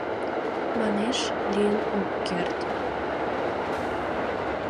Манеш: лийын ок керт!